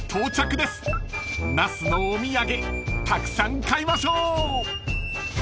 ［那須のお土産たくさん買いましょう］